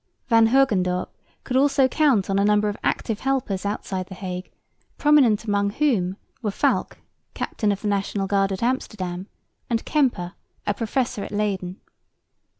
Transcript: Van Hogendorp could also count on a number of active helpers outside the Hague, prominent among whom were Falck, Captain of the National Guard at Amsterdam, and Kemper, a professor at Leyden.